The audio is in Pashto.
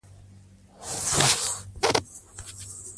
خپل مهارتونه انلاین وپلورئ.